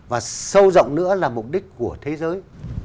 và sâu rộng nữa là mục đích của thế giới